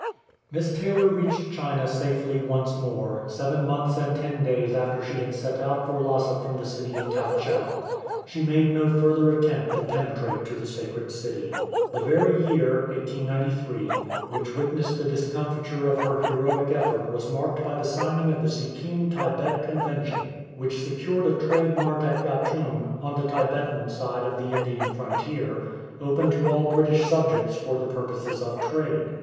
Miss Taylor reached China safely once more, seven months and ten days after she had set out for Lhasa from the city of Tau chau. She made no further attempt to penetrate to the Sacred City. The very year (1893) which witnessed the discomfiture of her heroic effort was marked by the signing of the Sikkim Tibet Convention, which secured a trade mart at Yatung, on the Tibetan side of the Indian frontier, open to all British subjects for the purposes of trade.